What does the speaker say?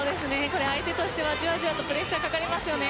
相手としては、じわじわとプレッシャーかかりますよね。